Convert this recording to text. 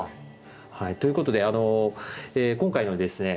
はいということで今回のですね